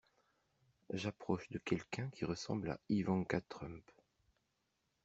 J'approche de quelqu'un qui ressemble à Ivanka Trump.